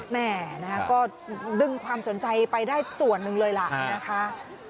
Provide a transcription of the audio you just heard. แม่นะคะก็ดึงความสนใจไปได้ส่วนหนึ่งเลยล่ะนะคะ